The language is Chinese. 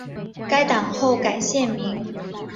该党后改现名。